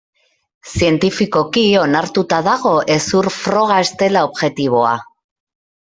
Zientifikoki onartuta dago hezur froga ez dela objektiboa.